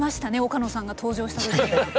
岡野さんが登場した時には。